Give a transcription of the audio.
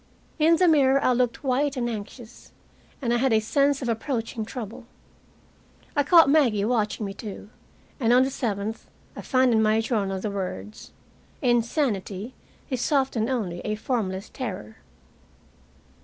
In the mirror I looked white and anxious, and I had a sense of approaching trouble. I caught Maggie watching me, too, and on the seventh I find in my journal the words: "Insanity is often only a formless terror."